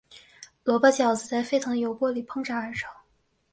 萝卜饺子在沸腾的油锅里烹炸而成。